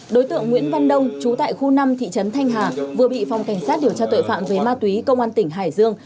đối tượng nguyễn văn đông chú tại khu năm thị trấn thanh hà vừa bị phòng cảnh sát điều tra tội phạm về ma túy công an tỉnh hải dương